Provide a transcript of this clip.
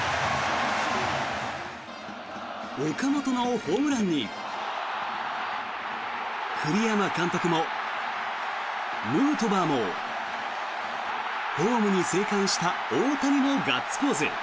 岡本のホームランに栗山監督もヌートバーもホームに生還した大谷もガッツポーズ。